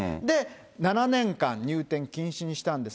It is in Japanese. ７年間、入店禁止にしたんです。